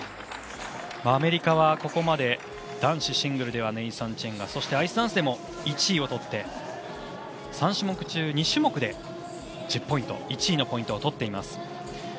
アメリカはここまで男子シングルではネイサン・チェンがそしてアイスダンスでも１位を取って３種目中、２種目で１０ポイント１位のポイントを取っています。